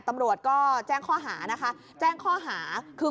ตำรวจสมแพพันธองตำรวจก็แจ้งข้อหาคือ